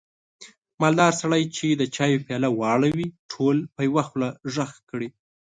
مالداره سړی چې د چایو پیاله واړوي، ټول په یوه خوله غږ کړي.